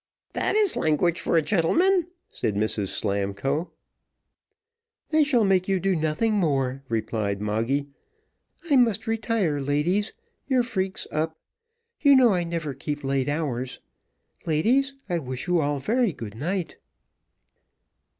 "This is language for a gentleman," said Mrs Slamkoe. "They shall make you do nothing more," replied Moggy. "I must retire, ladies, your freak's up. You know I never keep late hours. Ladies, I wish you all a very good night."